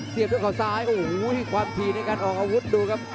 เสียบด้วยขาวซ้ายโอ้โหที่ความทีในการออกอาวุธดูครับ